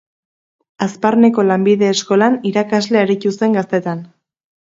Hazparneko Lanbide eskolan irakasle aritu zen gaztetan.